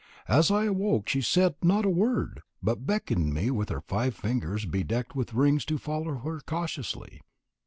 As I awoke she said not a word, but beckoned me with her five fingers bedecked with rings to follow her cautiously.